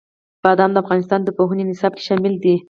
بادام د افغانستان د پوهنې نصاب کې شامل دي.